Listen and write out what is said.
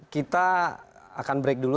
kita akan break dulu